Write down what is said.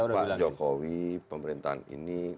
pak jokowi pemerintahan ini